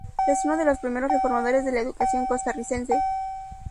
Es uno de los primeros reformadores de la educación costarricense.